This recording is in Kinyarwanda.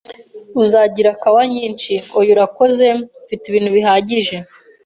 "Uzagira kawa nyinshi?" "Oya, urakoze. Mfite ibintu bihagije."